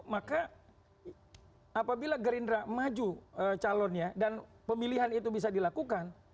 maka apabila gerindra maju calonnya dan pemilihan itu bisa dilakukan